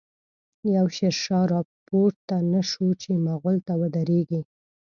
يو” شير شاه “راپورته نه شو، چی ” مغل” ته ودريږی